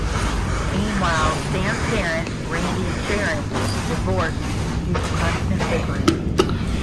Meanwhile, Stan's parents, Randy and Sharon, divorce due to constant bickering.